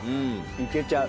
いけちゃう。